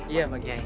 iya pak yai